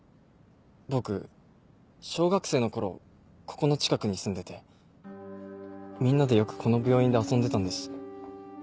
僕小学生の頃ここの近くに住んでてみんなでよくこの病院で遊んでたんです。